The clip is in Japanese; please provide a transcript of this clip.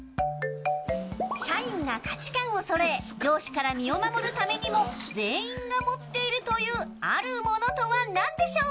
社員が価値感をそろえ上司から身を守るためにも全員が持っているというあるものとは何でしょう。